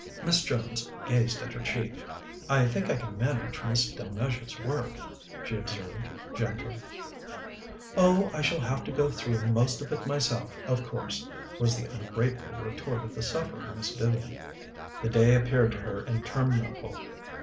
Miss Jones gazed at her chief. "I think I can manage Miss Delmege's work," she observed gently. "Oh, I shall have to go through most of it myself, of course," was the ungrateful retort of the suffering Miss Vivian. The day appeared to her interminable.